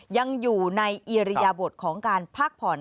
ยังอยู่ในอิริยบทของการพักผ่อน